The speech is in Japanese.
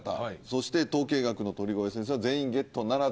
そして統計学の鳥越先生は全員ゲットならず。